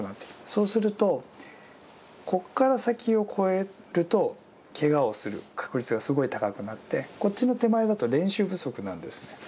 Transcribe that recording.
そうするとこっから先を越えるとけがをする確率がすごい高くなってこっちの手前だと練習不足なんですね。